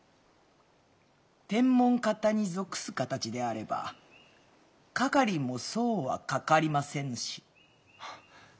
天文方に属す形であればかかりもそうはかかりませぬし。